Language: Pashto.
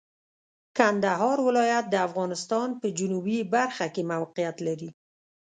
کندهار ولایت د افغانستان په جنوبي برخه کې موقعیت لري.